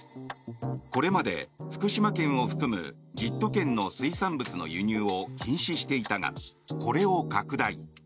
これまで福島県を含む１０都県の水産物の輸入を禁止していたがこれを拡大。